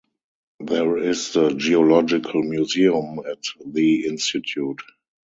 There is the Geological Museum at the Institute.